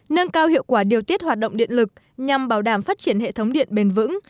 nâng cao hiệu quả điều tiết hoạt động điện lực nhằm bảo đảm phát triển hệ thống điện bền vững